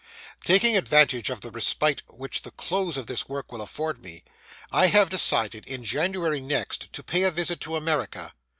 Taking advantage of the respite which the close of this work will afford me, I have decided, in January next, to pay a visit to America.